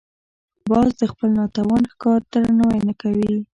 باز د خپل ناتوان ښکار درناوی نه کوي